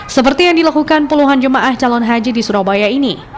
seperti yang dilakukan puluhan jemaah calon haji di surabaya ini